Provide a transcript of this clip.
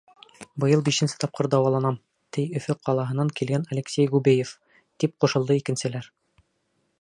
Быйыл бишенсе тапҡыр дауаланам, — ти Өфө ҡалаһынан килгән Алексей Губеев. — тип ҡушылды икенселәр.